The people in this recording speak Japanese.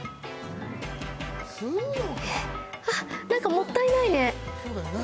なんかもったいないね。